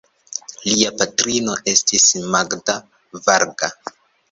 Lia patrino estis Magda Varga.